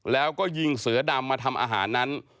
แล้วก็ยิงเสือดำมาทำอาหารนั้น